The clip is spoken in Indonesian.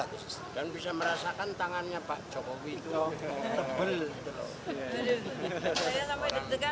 dan bisa merasakan tangannya pak jokowi itu tebal